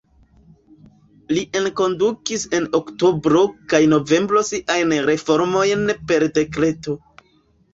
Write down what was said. Li enkondukis en oktobro kaj novembro siajn reformojn per dekreto.